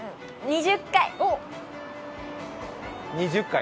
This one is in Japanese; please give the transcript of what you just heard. ２０回。